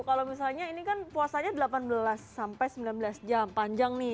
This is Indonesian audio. kalau misalnya ini kan puasanya delapan belas sampai sembilan belas jam panjang nih